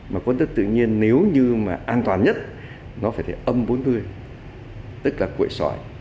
mà cốt tất tự nhiên nếu như mà an toàn nhất nó phải để âm bốn mươi tức là cuội sỏi